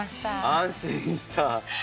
安心した。